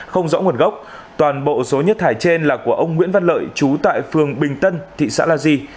không rõ nguồn gốc toàn bộ số nhất thải trên là của ông nguyễn văn lợi chú tại phường bình tân thị xã la di